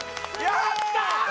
やったー